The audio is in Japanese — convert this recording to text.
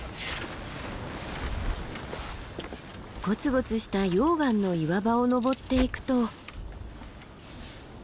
ゴツゴツした溶岩の岩場を登っていくと。